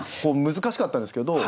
難しかったんですけど僕はこう。